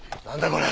これ。